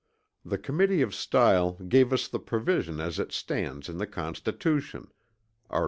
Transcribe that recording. The committee of Style gave us the provision as it stands in the Constitution: (Art.